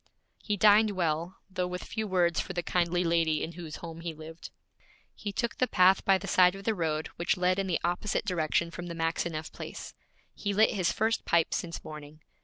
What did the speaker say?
He dined well, though with few words for the kindly lady in whose home he lived. He took the path by the side of the road which led in the opposite direction from the Maxineff place. He lit his first pipe since morning.